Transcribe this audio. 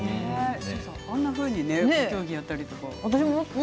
あんなふうに競技をやったりとか。